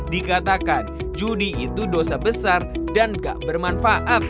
dikatakan juni itu dosa besar dan gak bermanfaat